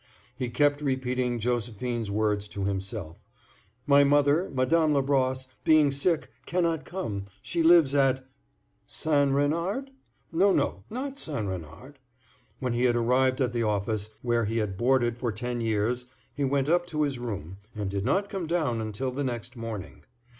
He kept repeating Josephine's words to himself: "My mother, Madame Labrosse, being sick, cannot come; she lives at"—St. Renard? No, no; not St. Renard. When he had arrived at the house, where he had boarded for ten years, he went up to his room, and did not come down until the next morning.